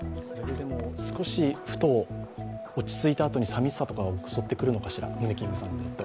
少し、ふと、落ち着いたあとに寂しさが襲ってくるのかしら。